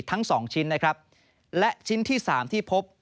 ทั้ง๒ชิ้นนะครับและชิ้นที่๓ที่พบ